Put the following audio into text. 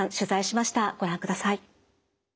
ご覧ください。